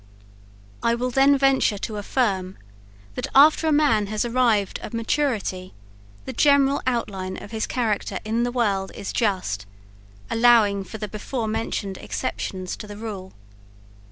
I will then venture to affirm, that after a man has arrived at maturity, the general outline of his character in the world is just, allowing for the before mentioned exceptions to the rule.